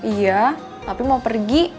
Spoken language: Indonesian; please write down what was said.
iya tapi mau pergi